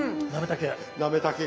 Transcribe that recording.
なめたけ。